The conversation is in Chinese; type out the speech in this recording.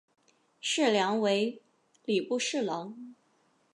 事梁为礼部侍郎。